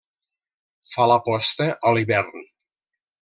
Fa la posta a l'hivern.